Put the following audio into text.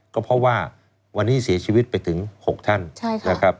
ก็เพราะว่าวันนี้เสียชีวิตไปถึง๖ท่านนะครับ